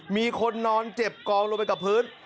มีคนนอนเจ็บกองลงไปกับพื้น